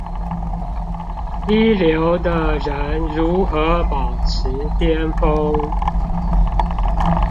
一流的人如何保持顛峰